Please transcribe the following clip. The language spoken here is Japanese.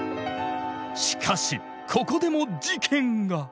しかしここでも事件が！